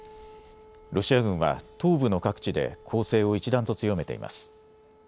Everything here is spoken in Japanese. ロシア軍は東部の各地で攻勢を一段と強めています。